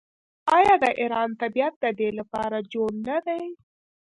آیا د ایران طبیعت د دې لپاره جوړ نه دی؟